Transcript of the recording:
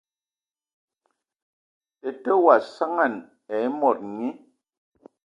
Tətə wa saŋan aaa mod nyi.